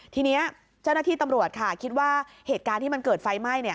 ทีนี้เจ้าหน้าที่ตำรวจค่ะคิดว่าเหตุการณ์ที่มันเกิดไฟไหม้